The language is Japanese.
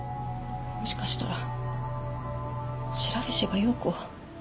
もしかしたら白菱が葉子を。